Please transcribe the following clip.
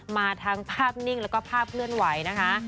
มาทั้งภาพนิ่งแล้วก็ภาพเคลื่อนไหวนะคะ